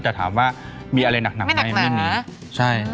เขาจะถามว่ามีอะไรหนักมั้ยไม่หนี